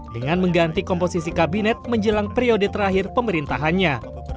dengan mengganti komposisi kabinet menjelang periode terakhir pemerintahannya